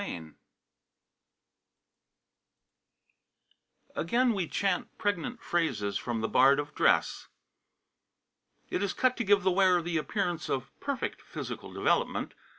VI Again we chant pregnant phrases from the Bard of Dress: "It is cut to give the wearer the appearance of perfect physical development.